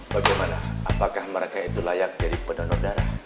bagaimana apakah mereka itu layak jadi pendonor darah